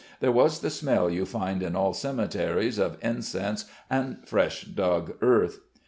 There was the smell you find in all cemeteries of incense and fresh dug earth.